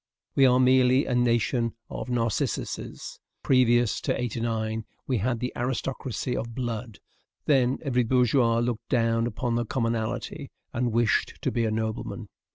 We are merely a nation of Narcissuses. Previous to '89, we had the aristocracy of blood; then every bourgeois looked down upon the commonalty, and wished to be a nobleman.